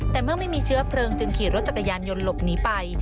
แต่เมื่อไม่มีเชื้อเพลิงจึงขี่รถจักรยานยนต์หลบหนีไป